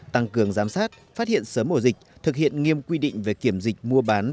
tăng cường giám sát phát hiện sớm ổ dịch thực hiện nghiêm quy định về kiểm dịch mua bán